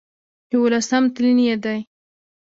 يوولسم تلين يې دی